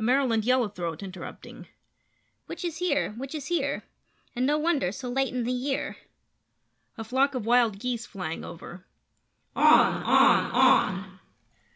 [A Maryland Yellow Throat Interrupting]: Witches here! Witches here! And no wonder so late in the year! [A Flock of Wild Geese Flying Over]: On! On! On!